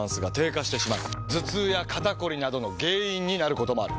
頭痛や肩こりなどの原因になることもある。